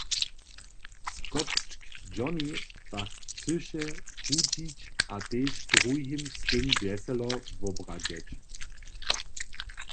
Skopčk Jonny pak chcyše hudźić a tež druhim z tym wjeselo wobradźeć.